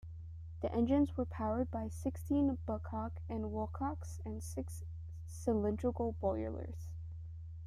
The engines were powered by sixteen Babcock and Wilcox and six cylindrical boilers.